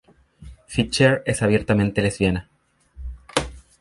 Fischer es abiertamente lesbiana.